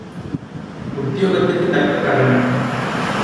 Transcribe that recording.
உத்தியோகத்துக்குத் தக்க ககம்.